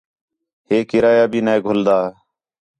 ہِے کرایہ بھی نَے گھلدا